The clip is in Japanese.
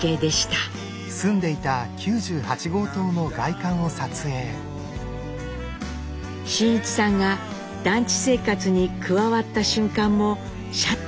真一さんが団地生活に加わった瞬間もシャッターを切りました。